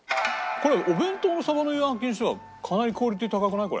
これお弁当の鯖の幽庵焼にしてはかなりクオリティー高くない？